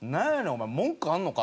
お前文句あんのか？」